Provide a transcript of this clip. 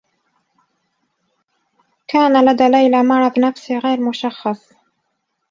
كان لدى ليلى مرض نفسي غير مشخّص.